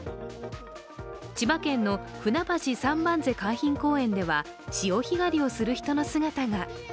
千葉県のふなばし三番瀬海浜公園では、潮干狩りをする人の姿が。